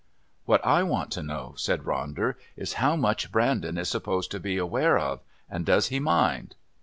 "What I want to know," said Ronder, "is how much Brandon is supposed to be aware of and does he mind?"